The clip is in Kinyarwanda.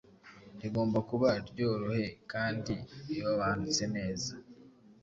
rigomba kuba ryorohye kandi riobanute neza